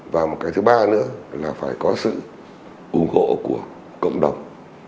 và một cái thứ ba nữa là phải có sự ủng hộ của cộng đồng